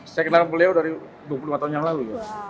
saya kenal beliau dari dua puluh lima tahun yang lalu